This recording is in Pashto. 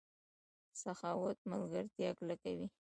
سخاوت ملګرتیا کلکوي.